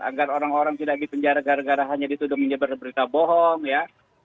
agar orang orang tidak dipenjara gara gara hanya dituduh menyebar berita bohong ya